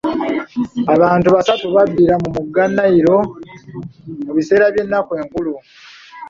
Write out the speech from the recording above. Abantu basatu babbira mu mugga Nile mu biseera by'ennaku enkulu.